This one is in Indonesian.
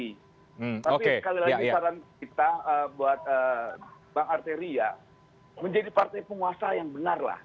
tapi sekali lagi saran kita buat bang arteria menjadi partai penguasa yang benar lah